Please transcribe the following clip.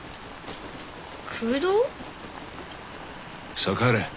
さあ帰れ。